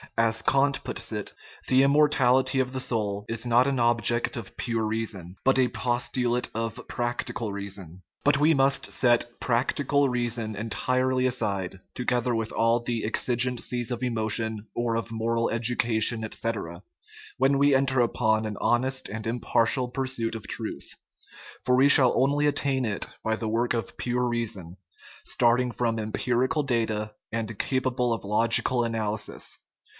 As Kant puts it, the immortality of the soul is not an object of pure reason, but a " postulate of practical reason.* But we must set " practical reason n entirely aside, together 202 THE IMMORTALITY OF THE SOUL with all the " exigencies of emotion, or of moral educa tion, etc.," when we enter upon an honest and impar tial pursuit of truth ; for we shall only attain it by the work of pure reason, starting from empirical data and capable of logical analysis.